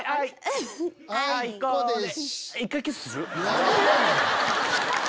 何でやねん！